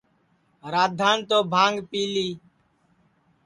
رادھان تو بھانگ پی لی